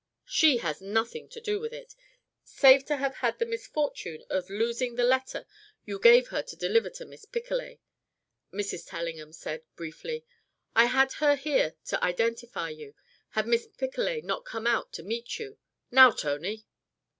"She has had nothing to do with it save to have had the misfortune of losing the letter you gave her to deliver to Miss Picolet," Mrs. Tellingham said, briefly. "I had her here to identify you, had Miss Picolet not come out to meet you. Now, Tony!"